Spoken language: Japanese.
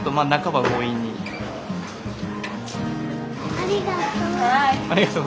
ありがとう。